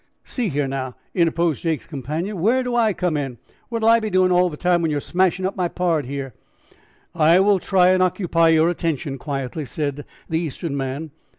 "See here, now," interposed Jake's companion, "where do I come in? What'll I be doin' all the time when you're smashin' up my pard here?" "I will try and occupy your attention," quietly said the Eastern man.